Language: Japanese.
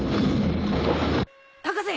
博士！